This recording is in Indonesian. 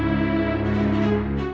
ayo kita mulai berjalan